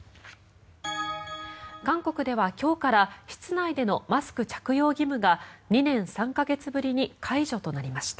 韓国では今日から室内でのマスク着用義務が２年３か月ぶりに解除となりました。